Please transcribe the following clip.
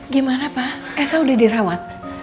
gimana pak elsa udah dirawat